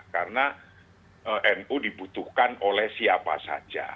karena nu dibutuhkan oleh siapa saja